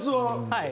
はい。